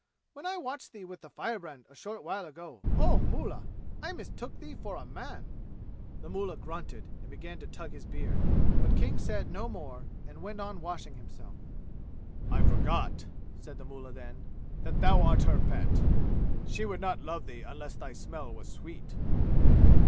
When I watched thee with the firebrand a short while ago, oh, mullah, I mistook thee for a man." The mullah grunted and began to tug his beard. But King said no more and went on washing himself. "I forgot," said the mullah then, "that thou art her pet. She would not love thee unless thy smell was sweet."